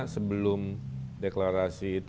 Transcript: sebelum deklarasi itu